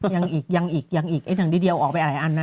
ยังอีกยังอีกยังอีกนังดีเอาออกไปอ่ะหลายอันนะ